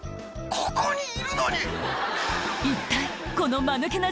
ここにいるのに！